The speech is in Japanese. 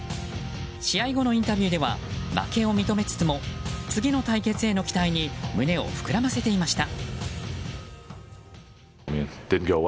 試合後のインタビューでは負けを認めつつも次の対決への期待に胸を膨らませていました。